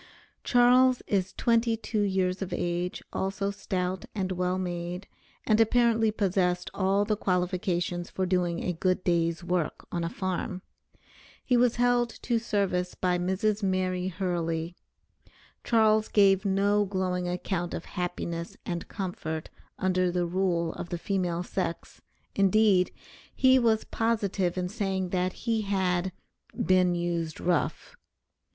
Charles is twenty two years of age, also stout, and well made, and apparently possessed all the qualifications for doing a good day's work on a farm. He was held to service by Mrs. Mary Hurley. Charles gave no glowing account of happiness and comfort under the rule of the female sex, indeed, he was positive in saying that he had "been used rough."